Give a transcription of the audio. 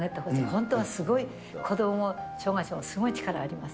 本当はすごい、子ども、障がい者も、すごい力があります。